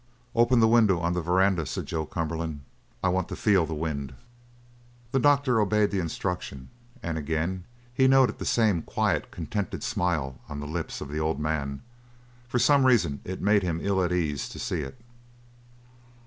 "Open the window on the veranda," said Joe Cumberland. "I want to feel the wind." The doctor obeyed the instruction, and again he noted that same quiet, contented smile on the lips of the old man. For some reason it made him ill at ease to see it.